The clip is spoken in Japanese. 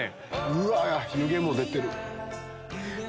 うわ湯気も出てる！